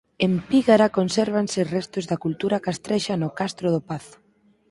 En Pígara consérvanse restos da cultura castrexa no Castro do Pazo.